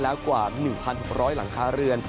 แล้วกว่า๑๖๐๐หลังคาเรือน